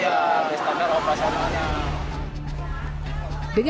ya bestanda lupa sopanya